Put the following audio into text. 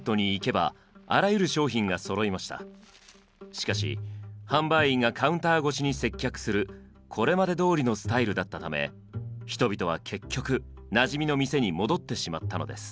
しかし販売員がカウンター越しに接客するこれまでどおりのスタイルだったため人々は結局なじみの店に戻ってしまったのです。